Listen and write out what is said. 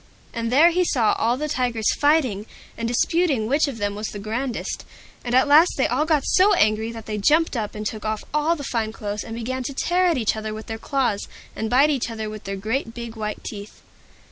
And there he saw all the Tigers fighting, and disputing which of them was the grandest. And at last they all got so angry that they jumped up and took off all the fine clothes, and began to tear each other with their claws, and bite each other with their great big white teeth.